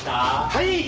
はい！